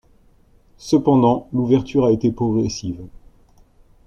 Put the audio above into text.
Cependant, l'ouverture a été progressive.